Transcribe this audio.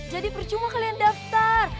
jadi percuma kalian daftar